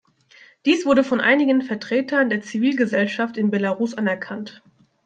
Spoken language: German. Dies wurde von einigen Vertretern der Zivilgesellschaft in Belarus anerkannt.